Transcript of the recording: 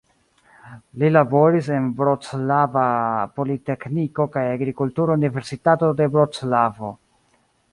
Li laboris en Vroclava Politekniko kaj Agrikultura Universitato de Vroclavo.